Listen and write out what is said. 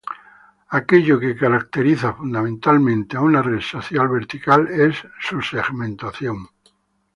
Aquello que caracteriza fundamentalmente a una red social vertical es su segmentación.